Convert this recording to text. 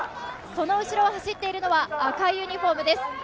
その後ろを走っているのは、赤いユニフォームです。